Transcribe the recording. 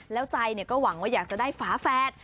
แล้วใจก็หวังว่าอยากจะได้ฝาแฝด